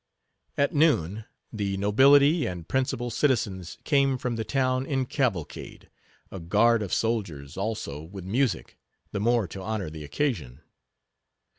At noon, the nobility and principal citizens came from the town in cavalcade, a guard of soldiers, also, with music, the more to honor the occasion.